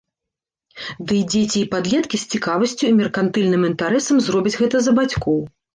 Дый дзеці і падлеткі з цікавасцю і меркантыльным інтарэсам зробяць гэта за бацькоў.